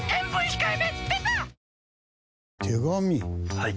はい。